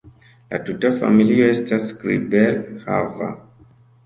La tuta familio estas kribel-hava.